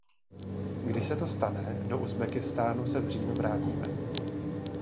Když se to stane, do Uzbekistánu se v říjnu vrátíme.